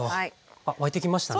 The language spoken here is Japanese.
あっ沸いてきましたね。